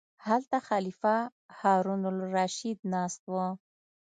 هلته خلیفه هارون الرشید ناست و.